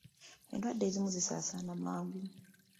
Endwadde ezimu zisaasaana mangu.